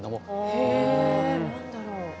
へえ何だろう。